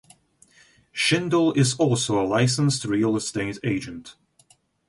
Shindle is also a licensed real estate agent.